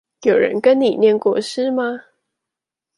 有人跟你唸過詩嗎